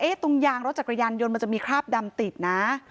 ตรงยางรถจักรยานยนต์มันจะมีคราบดำติดนะ